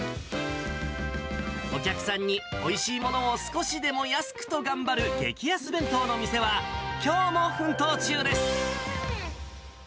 お客さんにおいしいものを少しでも安くと頑張る激安弁当の店は、きょうも奮闘中です。